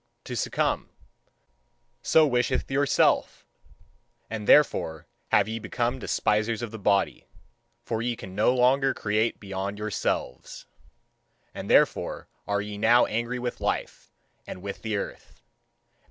To succumb so wisheth your Self; and therefore have ye become despisers of the body. For ye can no longer create beyond yourselves. And therefore are ye now angry with life and with the earth.